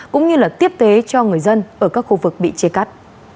cũng như tiếp tế cho người dân ở các khu vực bị chia cắt